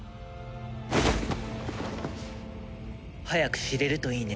早く知れるといいね。